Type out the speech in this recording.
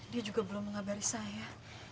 dia juga belum mengabari saya